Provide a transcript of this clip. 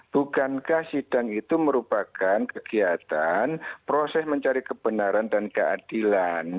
bukankah sidang itu merupakan kegiatan proses mencari kebenaran dan keadilan